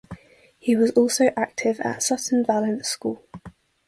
He was also active at Sutton Valence School.